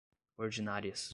ordinárias